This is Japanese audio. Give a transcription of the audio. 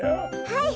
はい。